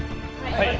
はい。